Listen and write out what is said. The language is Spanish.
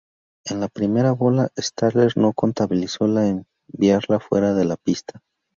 En la primera bola, Slater no contabilizó al enviarla fuera de la pista.